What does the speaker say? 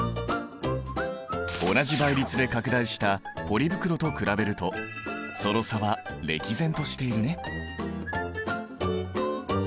同じ倍率で拡大したポリ袋と比べるとその差は歴然としているね。